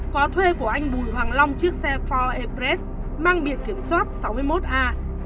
có thuê của anh bùi hoàng long chiếc xe ford e pred mang biệt kiểm soát sáu mươi một a chín mươi bốn nghìn chín trăm một mươi một